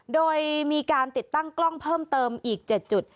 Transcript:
โดยมีการติดตั้งกล้องเพิ่มเติมอีก๗จุด